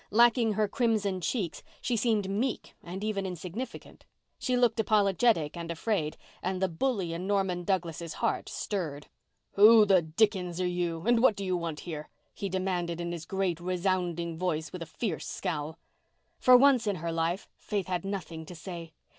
Lacking her crimson cheeks she seemed meek and even insignificant. She looked apologetic and afraid, and the bully in Norman Douglas's heart stirred. "Who the dickens are you? And what do you want here?" he demanded in his great resounding voice, with a fierce scowl. For once in her life Faith had nothing to say.